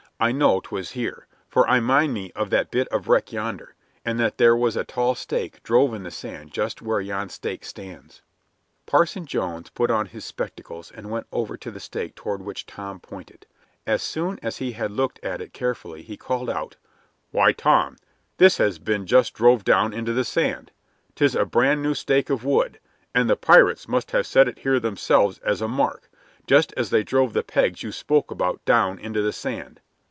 I know 'twas here, for I mind me of that bit of wreck yonder, and that there was a tall stake drove in the sand just where yon stake stands." Parson Jones put on his spectacles and went over to the stake toward which Tom pointed. As soon as he had looked at it carefully he called out: "Why, Tom, this hath been just drove down into the sand. 'Tis a brand new stake of wood, and the pirates must have set it here themselves as a mark, just as they drove the pegs you spoke about down into the sand."